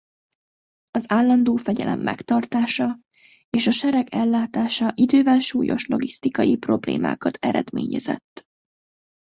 Az állandó fegyelem megtartása és a sereg ellátása idővel súlyos logisztikai problémákat eredményezett.